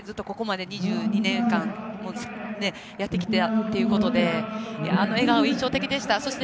ここまで２２年間やってきたということであの笑顔、印象的でした。